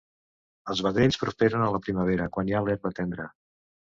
Els vedells prosperen a la primavera quan hi ha l'herba tendra.